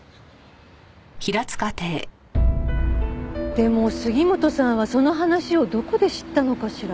でも杉本さんはその話をどこで知ったのかしら？